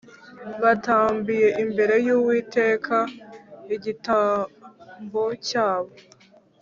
batambiye imbere y Uwiteka igitambo cyabo